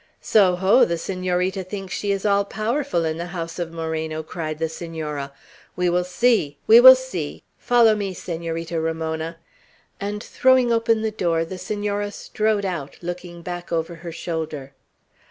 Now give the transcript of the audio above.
"So, ho! the Senorita thinks she is all powerful in the house of Moreno!" cried the Senora. "We will see! we will see! Follow me, Senorita Ramona!" And throwing open the door, the Senora strode out, looking back over her shoulder.